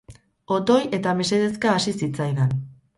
Otoi eta mesedezka hasi zitzaidan.